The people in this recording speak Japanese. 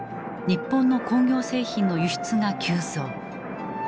日本の工業製品の輸出が急増。